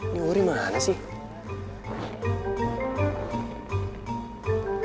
nyuri mana sih